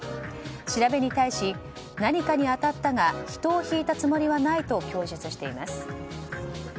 調べに対し、何かに当たったが人をひいたつもりはないと供述しています。